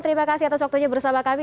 terima kasih atas waktunya bersama kami